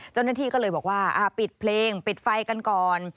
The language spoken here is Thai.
เจ้าหน้าที่ก็เลยบอกว่าปิดเพลงปิดไฟกันก่อน